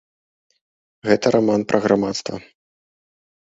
Гэта раман пра грамадства.